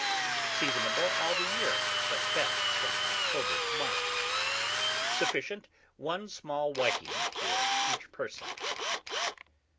Seasonable all the year, but best from October to March. Sufficient, 1 small whiting for each person.